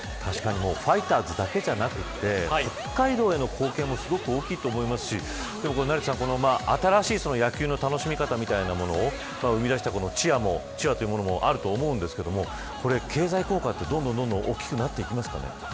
ファイターズだけではなくて北海道への貢献も大きいと思いますし成田さん、新しい野球の楽しみ方みたいなもの生み出したチアというのもあると思いますが経済効果どんどん大きくなりますか。